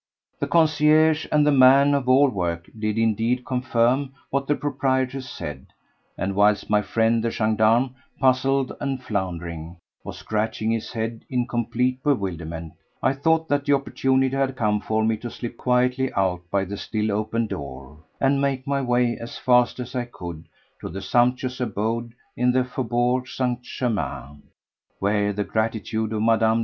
The concierge and the man of all work did indeed confirm what the proprietress said, and whilst my friend the gendarme —puzzled and floundering—was scratching his head in complete bewilderment, I thought that the opportunity had come for me to slip quietly out by the still open door and make my way as fast as I could to the sumptuous abode in the Faubourg St. Germain, where the gratitude of Mme.